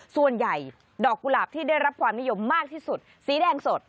ส่วนใหญ่ดอกกุหลาบที่ได้รับความนิยมมากที่สุดสีแดงสด